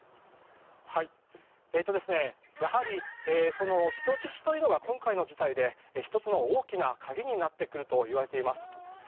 やはり、人質というのが今回の事態で１つの大きな鍵になってくるといわれています。